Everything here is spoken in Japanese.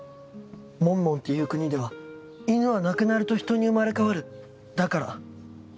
モンモンっていう国では「犬は亡くなると人に生まれ変わる」だから。